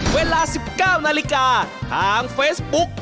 เวลา๑๙นาฬิกาทางเฟซบุ๊ก